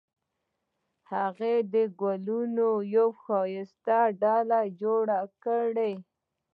هغې د ګلونو یوه ښایسته ډوله جوړه کړې